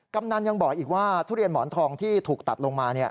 กำนันยังบอกอีกว่าทุเรียนหมอนทองที่ถูกตัดลงมา